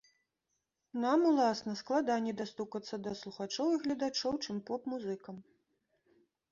Нам, уласна, складаней дастукацца да слухачоў і гледачоў, чым поп-музыкам.